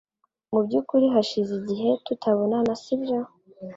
Mu byukuri hashize igihe tutabonana, sibyo?